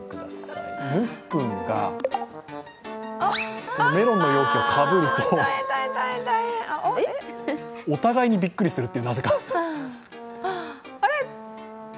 ぬふ君がメロンの容器をかぶると、お互いにびっくりするという、なぜか。